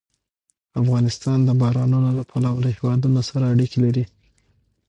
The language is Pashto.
افغانستان د بارانونو له پلوه له هېوادونو سره اړیکې لري.